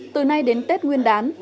từ nay đến tết nguyên đán